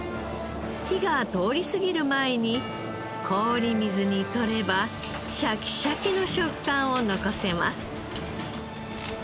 火が通りすぎる前に氷水にとればシャキシャキの食感を残せます。